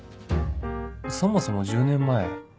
そもそも１０年前